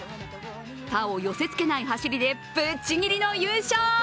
他を寄せつけない走りでぶっちぎりの優勝！